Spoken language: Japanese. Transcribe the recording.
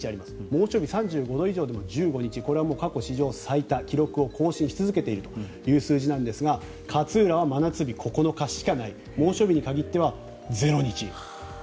猛暑日３５度以上でも１５日これは過去史上最多記録を更新し続けているという数字なんですが勝浦は真夏日は９日しかないという猛暑日に限っては０日。